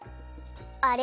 あれ？